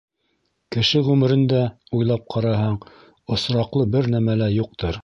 Кеше ғүмерендә, уйлап ҡараһаң, осраҡлы бер нәмә лә юҡтыр.